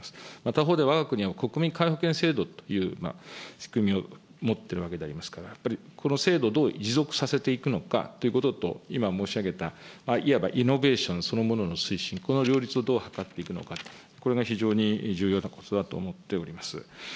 他方でわが国、国民皆保険制度という仕組みを持っているわけでありますから、やっぱりこの制度をどう持続させていくのかということと、今申し上げた、いわばイノベーションそのものの推進、これをどう図っていくのか、これが非常に重要なことだと思っております。